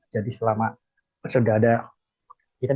jadi selama sudah ada